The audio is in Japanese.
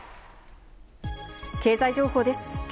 経済情報です。